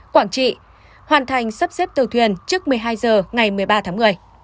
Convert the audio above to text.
quảng trị hoàn thành sắp xếp tàu thuyền trước một mươi hai h ngày một mươi ba tháng một mươi